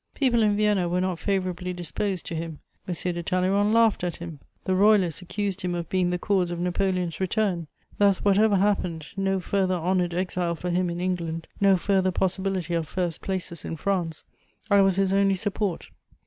People in Vienna were not favourably disposed to him; M. de Talleyrand laughed at him; the Royalists accused him of being the cause of Napoleon's return. Thus, whatever happened, no further honoured exile for him in England, no further possibility of first places in France: I was his only support.